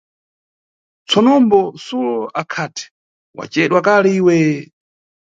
Tsonombo Sulo akhati: wacedwa kale-kale iwe.